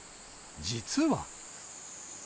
実は。